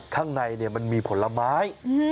ข้างในมันมีผลไม้